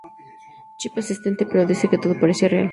Chip asiente pero dice que todo parecía muy real.